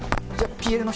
ＰＬの人。